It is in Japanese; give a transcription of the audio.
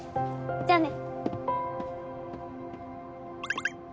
じゃあね！